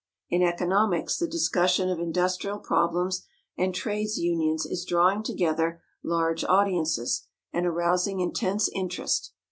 In economics the discussion of industrial problems and trades unions is drawing together large audiences, and arousing intense interest.